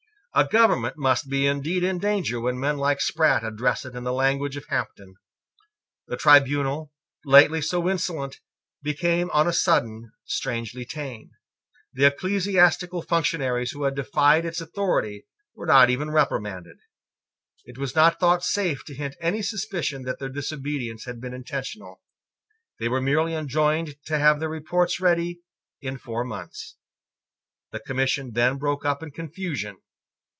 A government must be indeed in danger when men like Sprat address it in the language of Hampden. The tribunal, lately so insolent, became on a sudden strangely tame. The ecclesiastical functionaries who had defied its authority were not even reprimanded. It was not thought safe to hint any suspicion that their disobedience had been intentional. They were merely enjoined to have their reports ready in four months. The Commission then broke up in confusion.